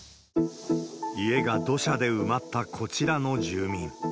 家が土砂で埋まったこちらの住民。